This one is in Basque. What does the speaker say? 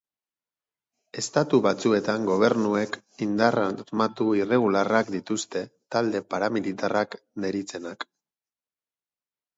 Estatu batzuetan gobernuek indar armatu irregularrak dituzte talde paramilitarrak deritzenak.